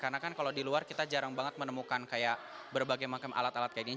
karena kan kalau di luar kita jarang banget menemukan kayak berbagai macam alat alat kayak gini